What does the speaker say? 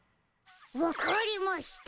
わかりました。